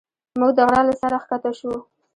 موږ د غره له سره ښکته شوو.